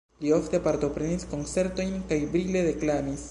Li ofte partoprenis koncertojn kaj brile deklamis.